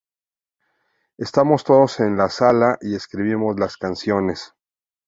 Estamos todos en la sala y escribimos las canciones.